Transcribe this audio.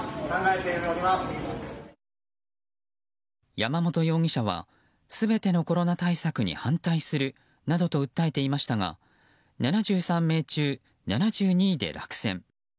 山本容疑者は、全てのコロナ対策に反対するなどと訴えていましたが７３名中７２位で落選。